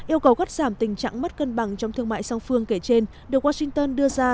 yêu cầu cắt giảm tình trạng mất cân bằng trong thương mại song phương kể trên được washington đưa ra